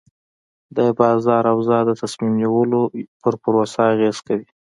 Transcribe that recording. د بازار اوضاع د تصمیم نیولو پر پروسه اغېز کوي.